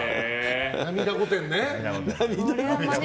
涙御殿ね。